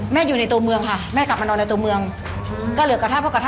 และช่วงที่เธอเข้าคุณแม่อยู่ที่นั่นหรืออยู่ผู้เขต